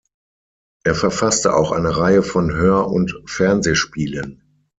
Er verfasste auch eine Reihe von Hör- und Fernsehspielen.